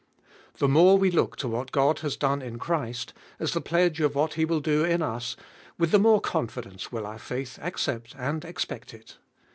The more we look to what God has done in Christ, as the pledge of what He will do in us, with the more confidence will our faith accept and expect it.